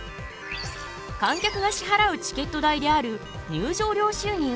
観客が支払うチケット代である入場料収入。